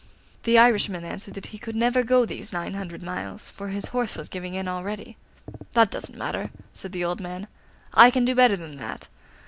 The Irishman answered that he could never go these nine hundred miles, for his horse was giving in already. 'That doesn't matter,' said the old man; 'I can do better than that.